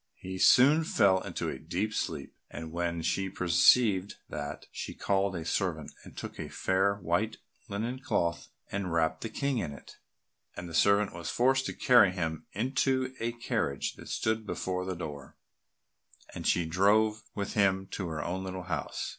He soon fell into a deep sleep, and when she perceived that, she called a servant and took a fair white linen cloth and wrapped the King in it, and the servant was forced to carry him into a carriage that stood before the door, and she drove with him to her own little house.